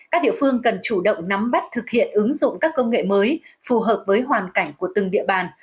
các địa phương cần chủ động nắm bắt thực hiện ứng dụng các công nghệ mới phù hợp với hoàn cảnh của từng địa bàn